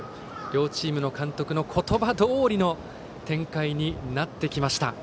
両チームの監督の言葉どおりの展開になってきました。